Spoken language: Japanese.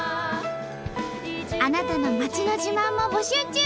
あなたの町の自慢も募集中！